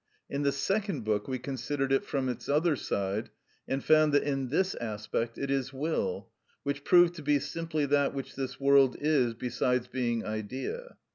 In the Second Book we considered it from its other side, and found that in this aspect it is will, which proved to be simply that which this world is besides being idea.